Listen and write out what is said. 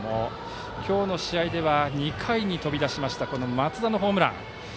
今日の試合では２回に飛び出しました松田のホームラン。